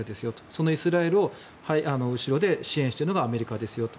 そのイスラエルを後ろで支援しているのがアメリカですよと。